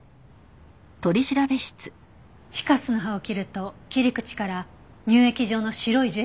フィカスの葉を切ると切り口から乳液状の白い樹液が出てきます。